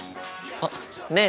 あっねえ